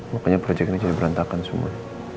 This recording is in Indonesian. makanya proyek ini jadi berantakan semua